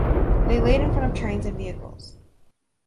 They laid in front of trains and vehicles.